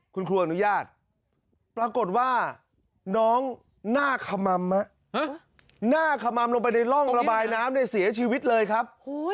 คุณครูอนุญาตปรากฏว่าน้องหน้าขมหน้าขมัมลงไปในร่องระบายน้ำได้เสียชีวิตเลยครับ